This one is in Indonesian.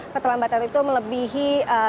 ketelambatan itu melebihi